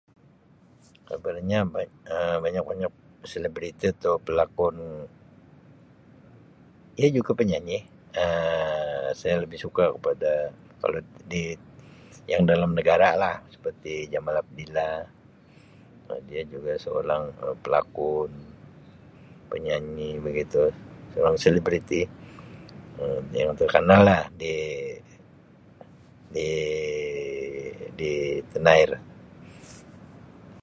Kabarnya Um banyak-banyak selebriti atau pelakon, ia juga penyanyi, Um saya lebih suak kepada kalau dulu kalau di yang dalam negaralah seperti jamal abdillah, dia juga seorang pelakon penyanyi begitu seorang selebriti Um yang terkenal lah di-di